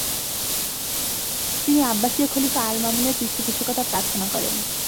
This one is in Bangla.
তিনি আব্বাসীয় খলিফা আল-মামুনের পৃষ্ঠপোষকতা প্রার্থনা করেন।